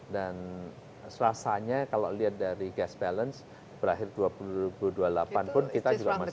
dan rasanya kalau lihat dari gas balance berakhir dua ribu dua puluh delapan pun kita juga masih